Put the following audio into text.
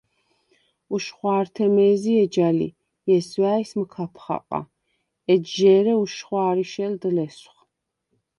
უშხვა̄რთე მე̄ზი ეჯა ლი, ჲესვა̄̈ჲს მჷქაფ ხაყა, ეჯჟ’ ე̄რე უშხვა̄რი შელდ ლესვხ.